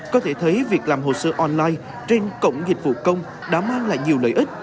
có thể thấy việc làm hồ sơ online trên cổng dịch vụ công đã mang lại nhiều lợi ích